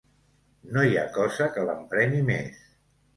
No hi ha cosa que l'emprenyi més.